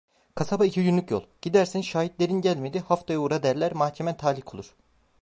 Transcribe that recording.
Kasaba iki günlük yol, gidersin, şahitlerin gelmedi, haftaya uğra derler, mahkemen talik olur.